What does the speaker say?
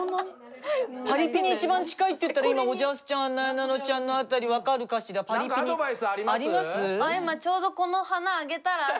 パリピに一番近いっていったら今おじゃすちゃんなえなのちゃんの辺り何かアドバイスあります？